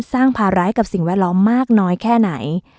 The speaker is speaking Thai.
สร้างภาระให้กับสิ่งแวดล้อมมากน้อยแค่ไหน